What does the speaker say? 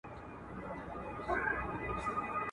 بارانونه دي اوریږي خو سیلې دي پکښي نه وي.